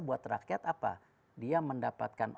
buat rakyat apa dia mendapatkan